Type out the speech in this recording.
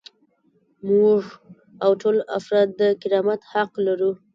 موږ او ټول افراد د کرامت حق لرو.